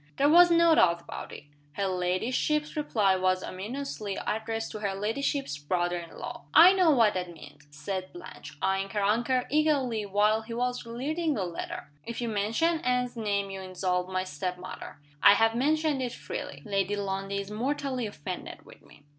There was no doubt about it. Her ladyship's reply was ominously addressed to her ladyship's brother in law. "I know what that means." said Blanche, eying her uncle eagerly while he was reading the letter. "If you mention Anne's name you insult my step mother. I have mentioned it freely. Lady Lundie is mortally offended with me."